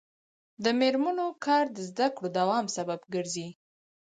د میرمنو کار د زدکړو دوام سبب ګرځي.